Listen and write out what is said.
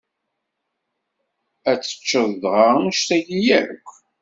Ad teččeḍ dɣa annect-agi akk?